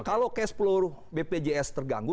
kalau cash flow bpjs terganggu